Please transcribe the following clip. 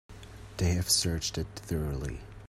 They have searched it thoroughly.